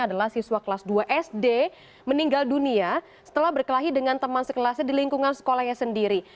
adalah siswa kelas dua sd meninggal dunia setelah berkelahi dengan teman sekelasnya di lingkungan sekolahnya sendiri